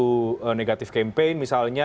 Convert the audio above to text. karena ada isu negatif campaign misalnya